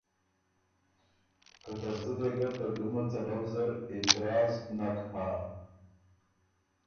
که ترتُو دې ګه ته ډُمه څلؤ زر اعتراض نک هۀ۔